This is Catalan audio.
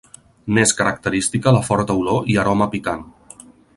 N'és característica la forta olor i aroma picant.